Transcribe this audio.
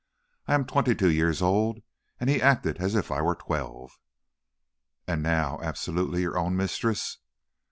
I am twenty two years old, and he acted as if I were twelve!" "And now, absolutely your own mistress?"